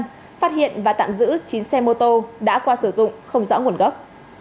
phát hiện và tạm giữ chín xe mô tô đã qua sử dụng không rõ nguồn gốc